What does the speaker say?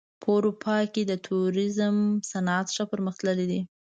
په اروپا کې د توریزم صنعت ښه پرمختللی دی.